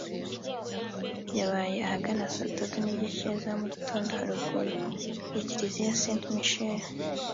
yabaye ahagana saa tatu n’igice za mu gitondo haruguru ya Kiriziya Saint Michel